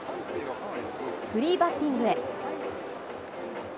フリーバッティングへ。